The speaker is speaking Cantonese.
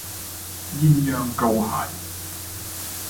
鴛鴦膏蟹